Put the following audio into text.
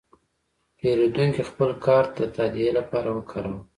پیرودونکی خپل کارت د تادیې لپاره وکاراوه.